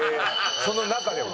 その中では？